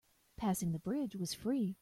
Passing the bridge was free.